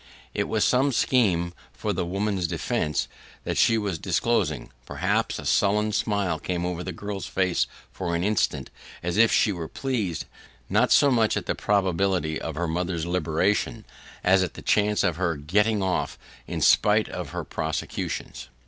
It was some scheme for the woman's defence that she was disclosing, perhaps; and a sullen smile came over the girl's face for an instant, as if she were pleased: not so much at the probability of her mother's liberation, as at the chance of her 'getting off' in spite of her prosecutors.